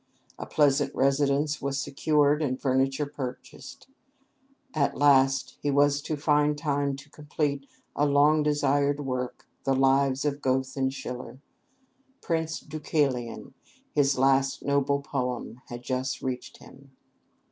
A pleasant residence was secured, and furniture purchased. At last he was to find time to complete a long desired work, the Lives of Goethe and Schiller. "Prince Deukalion," his last noble poem, had just reached him.